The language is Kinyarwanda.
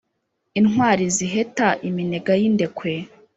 intwari ziheta iminega y’ indekwe